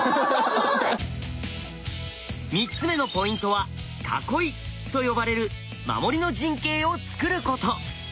３つ目のポイントは「囲い」と呼ばれる守りの陣形をつくること。